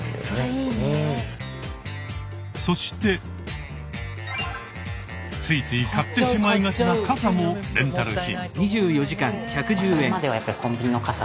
そしてついつい買ってしまいがちなカサもレンタル品。